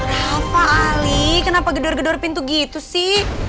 eh rafa ali kenapa gedor gedor pintu gitu sih